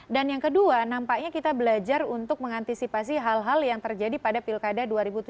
dan yang kedua nampaknya kita belajar untuk mengantisipasi hal hal yang terjadi pada pilkada dua ribu tujuh belas